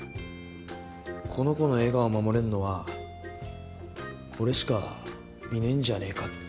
この子の笑顔守れんのは俺しかいねぇんじゃねぇかって。